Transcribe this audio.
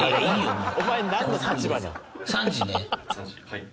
はい。